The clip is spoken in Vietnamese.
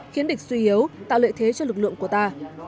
khiến địch suy yếu tạo lợi thế cho lực lượng của ta